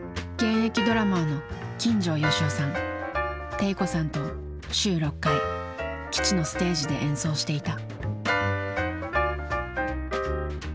悌子さんと週６回基地のステージで演奏していた。